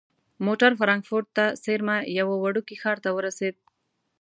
موټر فرانکفورت ته څیرمه یوه وړوکي ښار ته ورسید.